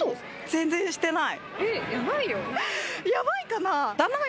全然してない。